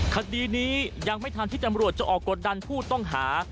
คดีนี้ยังไม่ทันที่ตำรวจจะออกกดดันผู้ต้องหา